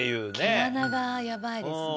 毛穴がヤバいですね。